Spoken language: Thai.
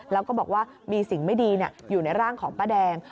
แล้วก็บอกว่ามีสิ่งไม่ดีอยู่ในร่างของป้าแดง